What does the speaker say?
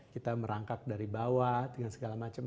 kita merangkak dari bawah dengan segala macam